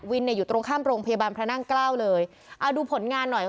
เนี่ยอยู่ตรงข้ามโรงพยาบาลพระนั่งเกล้าเลยเอาดูผลงานหน่อย